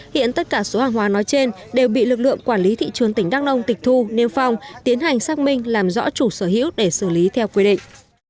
hiện tất cả số hàng hóa nói trên đều bị lực lượng quản lý thị trường tỉnh đắk nông tịch thu nêu phong tiến hành xác minh làm rõ chủ sở hữu để xử lý theo quy định